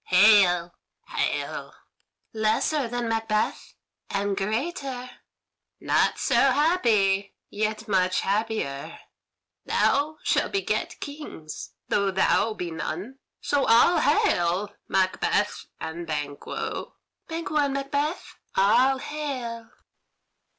"Hail!" "Hail!" "Lesser than Macbeth and greater!" "Not so happy, yet much happier!" "Thou shalt beget Kings, though thou be none. So all hail, Macbeth and Banquo!" "Banquo and Macbeth, all hail!"